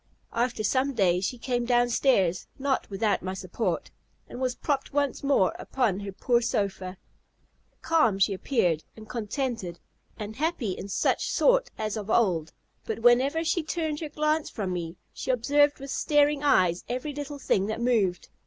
After some days she came down stairs, not without my support, and was propped once more upon her poor sofa. Calm she appeared, and contented, and happy in such sort as of old; but whenever she turned her glance from me, she observed with starting eyes every little thing that moved.